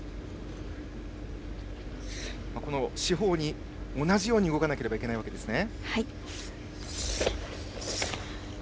四方に同じように動かないといけないわけですね。